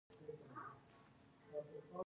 ایلن برو ویل چې سلطان محمود غزنوي یو لوټمار و.